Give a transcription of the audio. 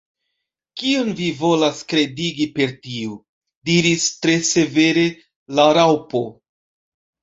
"Kion vi volas kredigi per tio?" diris tre severe la Raŭpo.